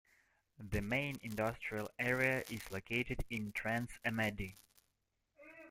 The main industrial area is located in Trans Amadi.